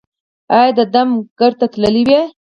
ایا د دم ګر ته تللي وئ؟